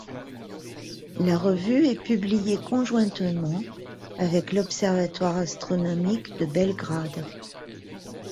La revue est publiée conjointement avec l'Observatoire astronomique de Belgrade.